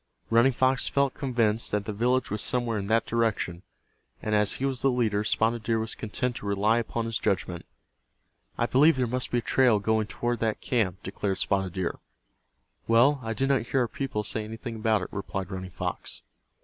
Running Fox felt convinced that the village was somewhere in that direction, and as he was the leader Spotted Deer was content to rely upon his judgment. "I believe there must be a trail going toward that camp," declared Spotted Deer. "Well, I did not hear our people say anything about it," replied Running Fox.